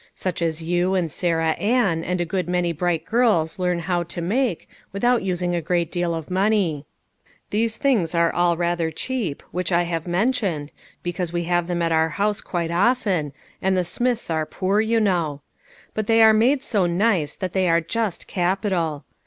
Such as you, and Sarah Ann, and a good many bright girls learn how to make, without using a great deal of money. Those things are all rather cheap, which I have mentioned, because we have them at our house quite often, and the Smiths are poor, you know. But they are made so nice that they are just capital.